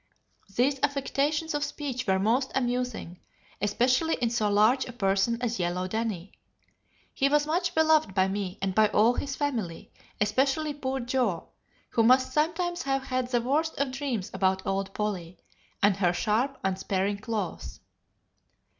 These affectations of speech were most amusing, especially in so large a person as yellow Danny. He was much beloved by me and by all his family, especially poor Joe, who must sometimes have had the worst of dreams about old Polly, and her sharp, unsparing claws."